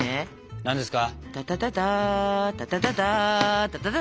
何ですか？